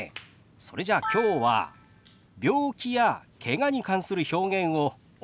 それじゃあきょうは病気やけがに関する表現をお教えしましょう。